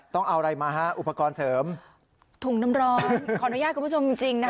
ต้องเอาอะไรมาฮะอุปกรณ์เสริมถุงน้ำร้อนขออนุญาตคุณผู้ชมจริงจริงนะคะ